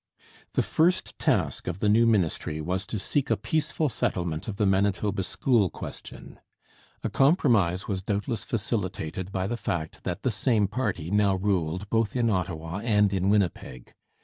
The first task of the new Ministry was to seek a peaceful settlement of the Manitoba school question. A compromise was doubtless facilitated by the fact that the same party now ruled both in Ottawa and in Winnipeg.